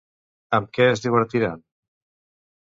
Amb què es divertiran?